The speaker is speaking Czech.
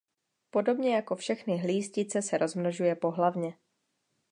Podobně jako všechny hlístice se rozmnožuje pohlavně.